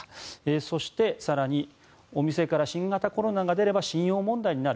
そして、更にお店から新型コロナが出れば信用問題になる。